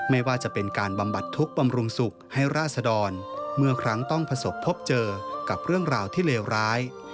ไม่ว่าจะเป็นการบำบัดทุกข์บำรุงสุขให้ราศดรเมื่อครั้งต้องประสบพบเจอกับเรื่องราวที่เลวร้าย